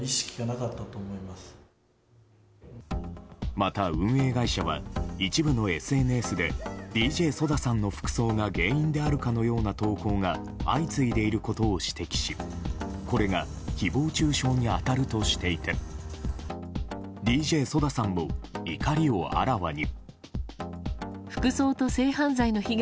また運営会社は一部のＳＮＳでＤＪＳＯＤＡさんの服装が原因であるかのような投稿が相次いでいることを指摘しこれが誹謗中傷に当たるとしていてＤＪＳＯＤＡさんも怒りをあらわに。